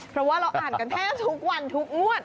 เพราะว่าเราอ่านกันแทบทุกวันทุกงวด